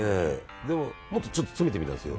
でももうちょっと詰めてみたんですよ